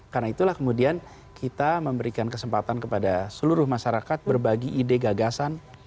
karena itulah kemudian kita memberikan kesempatan kepada seluruh masyarakat berbagi ide gagasan